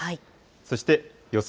そして予想